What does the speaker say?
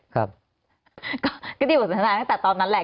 ก็ได้ยินบทสนทนาตั้งแต่ตอนนั้นแหละ